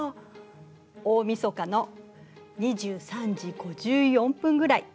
大みそかの２３時５４分ぐらい。